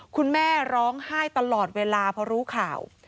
คุณแม่ร้องไห้ตลอดเวลาพอรู้ข่าว